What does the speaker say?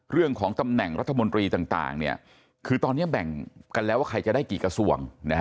เรื่องของตำแหน่งรัฐมนตรีต่างคือตอนนี้แบ่งกันแล้วว่าใครจะได้กี่กระทรวง